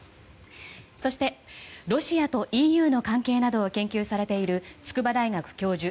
そしてロシアとＥＵの関係などを研究されている筑波大学教授